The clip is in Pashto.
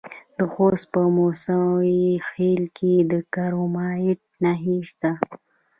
د خوست په موسی خیل کې د کرومایټ نښې شته.